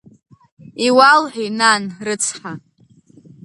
Иуалҳәеи, нан, рыцҳа?